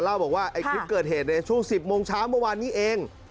เล่าบอกว่าไอ้คลิปเกิดเหตุในช่วง๑๐โมงเช้าเมื่อวานนี้เอง